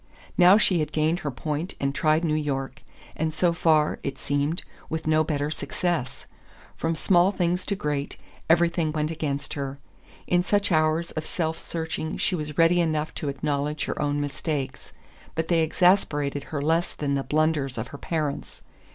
Now she had gained her point and tried New York, and so far, it seemed, with no better success. From small things to great, everything went against her. In such hours of self searching she was ready enough to acknowledge her own mistakes, but they exasperated her less than the blunders of her parents.